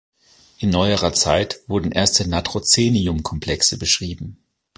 In neuerer Zeit wurden erste Natrocenium-Komplexe beschrieben.